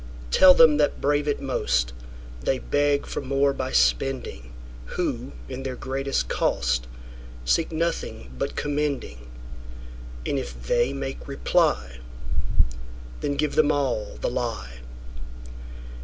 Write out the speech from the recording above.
Tell them that brave it most, They beg for more by spending, Who, in their greatest cost, Seek nothing but commending:And if they make reply, Then give them all the lie.